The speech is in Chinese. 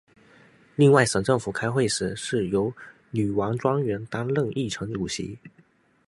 另外在省政府开会的时候是由女王专员担任议程主席。